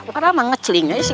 padahal ngeceling aja sih